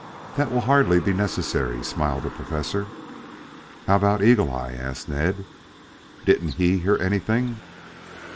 "That will hardly be necessary," smiled the Professor. "How about Eagle eye?" asked Ned. "Didn't he hear anything?"